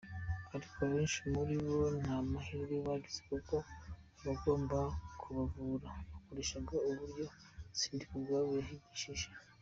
Ariko abenshi muri bo nta mahirwe bagize kuko abagombaga kubavura bakoreshaga uburyo Sindikubwabo yabigishije.